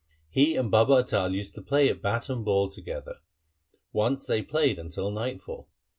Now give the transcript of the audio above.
He and Baba Atal used to play at bat and ball together. Once they played until nightfall.